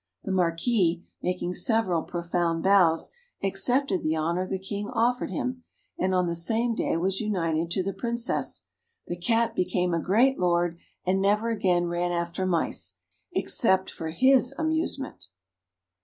The Marquis, making several profound bows, accepted the honour the King offered him; and on the same day was united to the Princess. The Cat became a great lord, and never again ran after mice, except for his amusement.